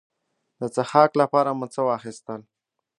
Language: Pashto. د څښاک لپاره مو څه واخیستل.